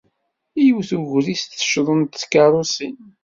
Yewwet ugris teccḍent tkeṛṛusin.